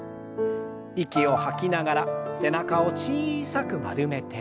息を吐きながら背中を小さく丸めて。